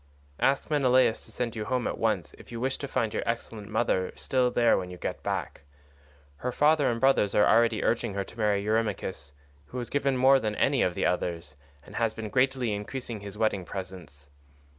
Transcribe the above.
Ask Menelaus to send you home at once if you wish to find your excellent mother still there when you get back. Her father and brothers are already urging her to marry Eurymachus, who has given her more than any of the others, and has been greatly increasing his wedding presents.